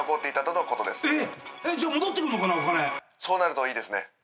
そうなるといいですね。